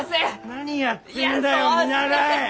何やってんだよ見習い！